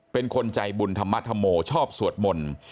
เป็นคนใจบุญธรรมธรโมชอบสวดมนต์